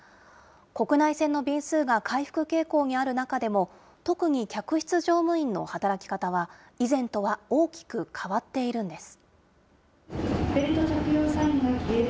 国内線の便数が回復傾向にある中でも、特に客室乗務員の働き方は、以前とは大きく変わっているんです。